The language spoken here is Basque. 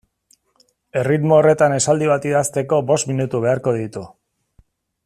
Erritmo horretan esaldi bat idazteko bost minutu beharko ditu.